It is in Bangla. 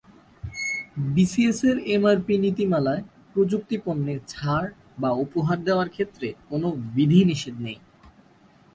বিসিএসের এমআরপি নীতিমালায় প্রযুক্তিপণ্যে ছাড় বা উপহার দেওয়ার ক্ষেত্রে কোনো বিধিনিষেধ নেই।